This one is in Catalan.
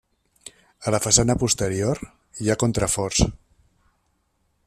A la façana posterior hi ha contraforts.